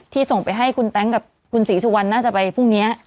ส่งไปให้คุณแต๊งกับคุณศรีสุวรรณน่าจะไปพรุ่งนี้